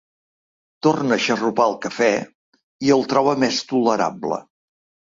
Torna a xarrupar el cafè i el troba més tolerable.